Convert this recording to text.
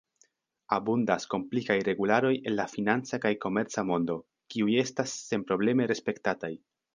Abundas komplikaj regularoj en la financa kaj komerca mondo kiuj estas senprobleme respektataj.